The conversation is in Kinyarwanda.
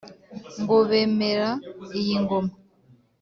Ngobemere iyingoma